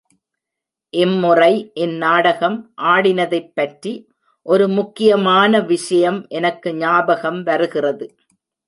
இம்முறை இந் நாடகம் ஆடினதைப்பற்றி ஒரு முக்கியமான விஷயம் எனக்கு ஞாபகம் வருகிறது.